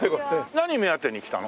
何目当てに来たの？